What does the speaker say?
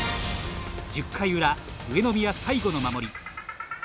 １０回裏、上宮最後の守り。